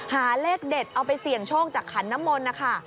หาเลขเด็ดเอาไปเสี่ยงโชคจากขันน้ำมนต์นะคะ